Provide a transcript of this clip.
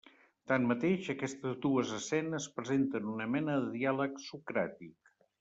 Tanmateix, aquestes dues escenes presenten una mena de diàleg socràtic.